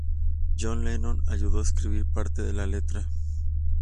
John Lennon ayudó a escribir parte de la letra.